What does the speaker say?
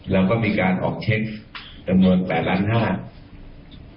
แล้วก็มีการออกเช็กจำนวน๘๕๐๐๐๐๐บาท